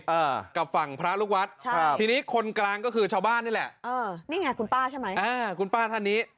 ฮฮกับฝั่งพระลูกวัดทางนี้วิทยาการก็คือชาวบ้านนี้คุณป่าธนนี้